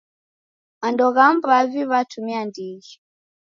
Mando ghamu w'avi w'atumia ndighi.